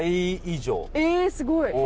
えすごい。